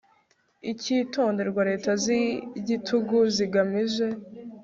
icyitonderwa leta z'igitugu zigamije